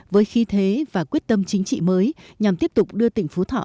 với khí thế và quyết tâm chính trị mới nhằm tiếp tục đưa tỉnh phú thọ